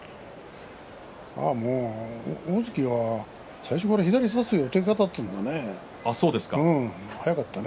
大関は最初から左差す予定だったのかね。